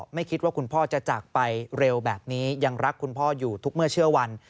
ไม่คิดว่าคุณพ่อจะจากไปเร็วแบบนี้ยังรักคุณพ่ออยู่ทุกเมื่อเชื่อวัน